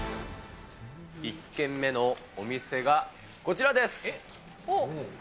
１軒目のお店が、こちらです。